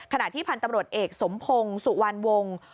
ที่พันธ์ตำรวจเอกสมพงศ์สุวรรณวงศ์